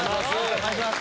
お願いします。